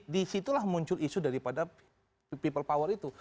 disitulah muncul isu daripada people power itu